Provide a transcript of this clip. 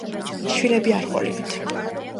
შვილები არ ჰყოლიათ.